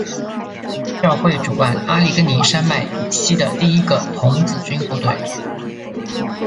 教会主办阿利根尼山脉以西的第一个童子军部队。